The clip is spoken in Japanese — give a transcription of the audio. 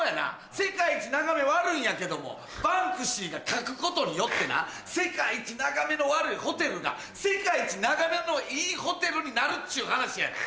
世界一眺め悪いんやけどもバンクシーが描くことによって世界一眺めの悪いホテルが世界一眺めのいいホテルになるっちゅう話やねん。